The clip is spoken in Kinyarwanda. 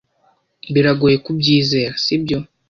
Biragoye kubyizera, sibyo?